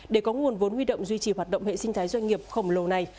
để có nguồn vốn huy động duy trì hoạt động hệ sinh thái doanh nghiệp khổng lồ này